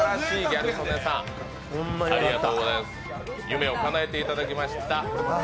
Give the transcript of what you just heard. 夢をかなえていただきました。